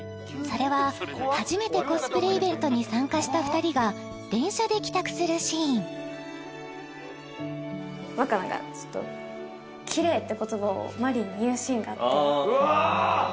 それは初めてコスプレイベントに参加した２人が電車で帰宅するシーン新菜がちょっと「奇麗」って言葉を海夢に言うシーンがあってああああ